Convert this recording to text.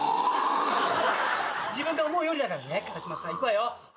自分で思うよりだからねカワシマさん。いくわよ。